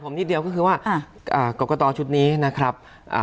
ผมนิดเดียวก็คือว่ากรกตชุดนี้นะครับอ่า